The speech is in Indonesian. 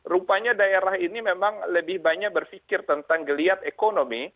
rupanya daerah ini memang lebih banyak berpikir tentang geliat ekonomi